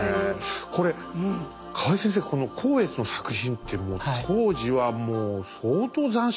これ河合先生この光悦の作品って当時はもう相当斬新だったんじゃないですか？